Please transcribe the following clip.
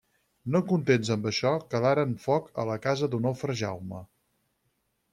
No contents amb això calaren foc a la casa d'Onofre Jaume.